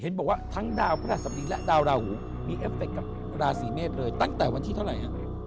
บอกว่าทั้งดาวพระราชสมดีและดาวราหูมีเอฟเฟคกับราศีเมษเลยตั้งแต่วันที่เท่าไหร่ฮะ